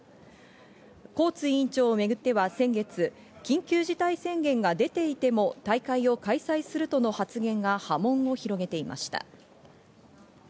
コーツ委員長めぐっては先月、緊急事態宣言が出ていても大会を開催するとの発言が波紋を広げていました。